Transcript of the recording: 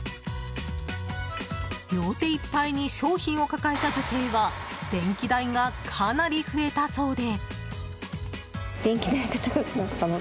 両手いっぱいに商品を抱えた女性は電気代がかなり増えたそうで。